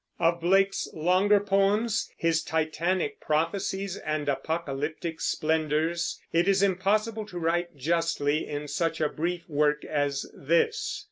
Of Blake's longer poems, his titanic prophecies and apocalyptic splendors, it is impossible to write justly in such a brief work as this.